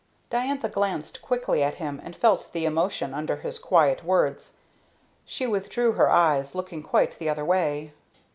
Diantha glanced quickly at him, and felt the emotion under his quiet words. She withdrew her eyes, looking quite the other way.